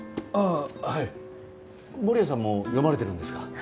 ああはい守屋さんも読まれてるんですか？